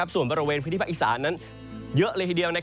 ส่วนบริเวณพื้นที่ภาคอีสานั้นเยอะเลยทีเดียว